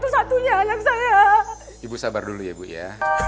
sayang ibu sabar dulu ya bu ya